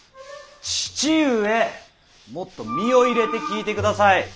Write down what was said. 父上もっと身を入れて聞いてください。